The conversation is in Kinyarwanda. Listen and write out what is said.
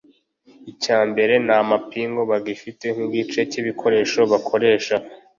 icya mbere nta mapingu bafite nk’igice cy’ibikoresho bakoresha